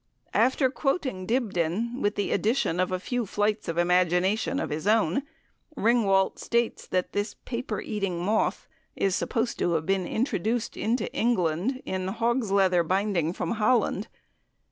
After quoting Dibdin, with the addition of a few flights of imagination of his own, Ringwalt states that this "paper eating moth is supposed to have been introduced into England in hogsleather binding from Holland."